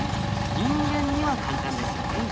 人間には簡単ですよね。